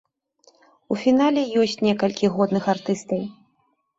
У фінале ёсць некалькі годных артыстаў.